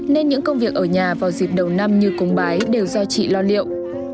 nên những công việc ở nhà vào dịp đầu năm như cúng bái đều do chị lo liệu